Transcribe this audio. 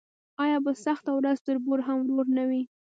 آیا په سخته ورځ تربور هم ورور نه وي؟